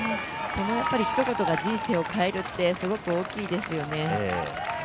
そのひと言が人生を変えるってすごく大きいですよね。